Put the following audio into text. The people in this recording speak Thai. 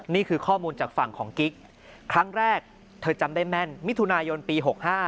นี่คือข้อมูลจากฝั่งของกิ๊กครั้งแรกเธอจำได้แม่นมิถุนายนปี๖๕